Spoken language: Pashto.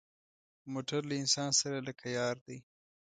موټر له انسان سره لکه یار دی.